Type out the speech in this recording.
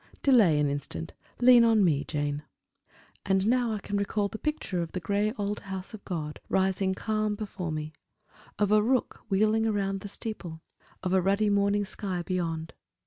"Delay an instant; lean on me, Jane." And now I can recall the picture of the gray old house of God rising calm before me, of a rook wheeling around the steeple, of a ruddy morning sky beyond.